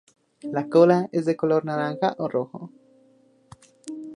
La cola es de color naranja o rojo.